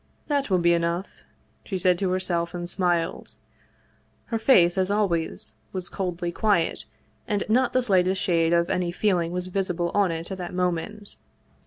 " That will be enough," she said to herself, and smiled. Her face, as always, was coldly quiet, and not the slightest shade of any feeling was visible on it at that moment.